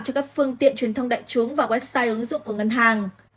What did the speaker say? cho các phương tiện truyền thông đại chúng và website ứng dụng của ngân hàng